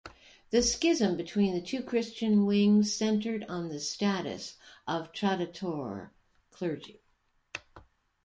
The schism between the two Christian wings centered on the status of traditore clergy.